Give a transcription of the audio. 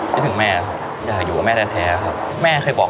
มีขอเสนออยากให้แม่หน่อยอ่อนสิทธิ์การเลี้ยงดู